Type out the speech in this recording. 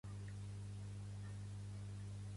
Confondre el sac amb la llata.